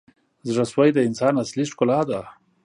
• زړه سوی د انسان اصلي ښکلا ده.